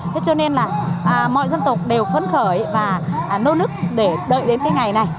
thế cho nên là mọi dân tộc đều phấn khởi và nỗ lực để đợi đến cái ngày này